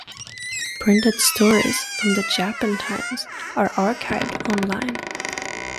Printed stories from "The Japan Times" are archived online.